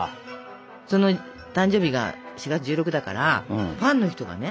その誕生日が４月１６だからファンの人がね